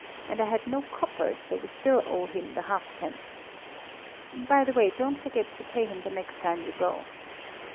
and I had no coppers, so we still owe him the 1/2d.; by the way, don't forget to pay him the next time you go.